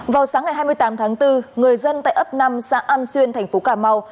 vào sáng ngày hai mươi tám tháng bốn người dân tại ấp năm xã an xuyên thành phố cà mau